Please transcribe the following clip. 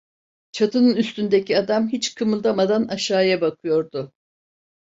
Çatının üstündeki adam hiç kımıldamadan aşağıya bakıyordu.